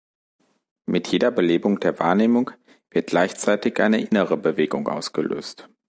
Mit jeder Belebung der Wahrnehmung wird gleichzeitig eine innere Bewegung ausgelöst.